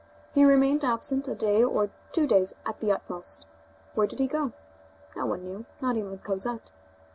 He remained absent a day or two days at the utmost. Where did he go? No one knew, not even Cosette.